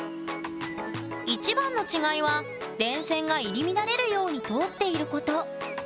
一番の違いは電線が入り乱れるように通っていること。